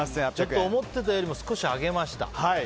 思ってたよりも少し上げました。